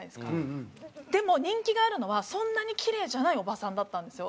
でも人気があるのはそんなにキレイじゃないおばさんだったんですよ。